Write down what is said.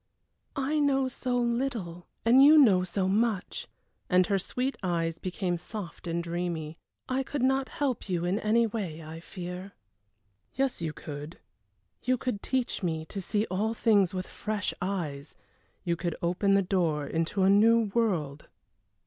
"I know so little, and you know so much," and her sweet eyes became soft and dreamy. "I could not help you in any way, I fear." "Yes, you could you could teach me to see all things with fresh eyes. You could open the door into a new world."